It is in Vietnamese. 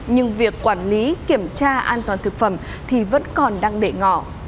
nhưng việc quản lý kiểm tra an toàn thực phẩm thì vẫn còn đang để ngỏ